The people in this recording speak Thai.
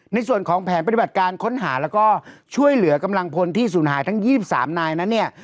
ในส่วนของแผนปฏิบัติการค้นหาแล้วก็ช่วยเหลือกำลังพลที่สูญหายทั้ง๒๓นายนั้นเนี่ย